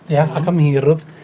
ya akan menghirup